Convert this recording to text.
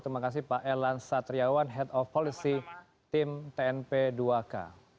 terima kasih pak elan satriawan head of policy tim tnp dua k